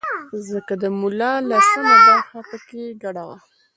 ځکه د ملا لسمه برخه په کې ګډه وه.